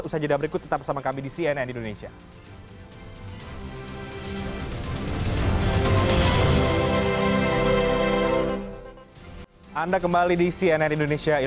usai jeddah berikut tetap bersama kami di cnn indonesia